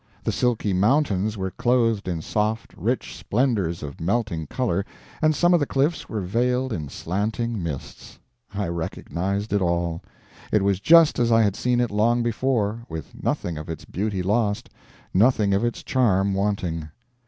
The silky mountains were clothed in soft, rich splendors of melting color, and some of the cliffs were veiled in slanting mists. I recognized it all. It was just as I had seen it long before, with nothing of its beauty lost, nothing of its charm wanting.